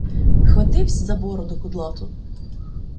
Вхвативсь за бороду кудлату